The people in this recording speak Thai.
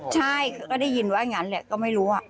ใช่เขาก็ได้ยินว่าอย่างนั้นแหละก็ไม่รู้